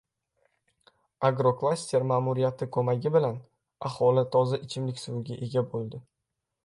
Agroklaster ma’muriyati ko‘magi bilan aholi toza ichimlik suviga ega bo‘ldi